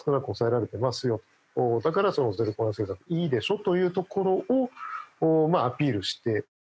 「だからゼロコロナ政策いいでしょ？」というところをまあアピールして。